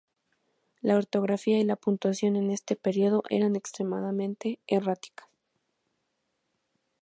La ortografía y la puntuación en este periodo eran extremadamente erráticas.